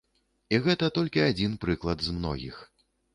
І гэта толькі адзін прыклад з многіх.